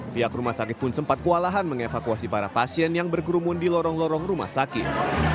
pihak rumah sakit pun sempat kewalahan mengevakuasi para pasien yang berkerumun di lorong lorong rumah sakit